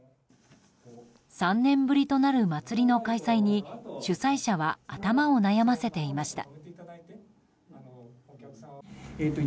３年ぶりとなる祭りの開催に主催者は頭を悩ませていました。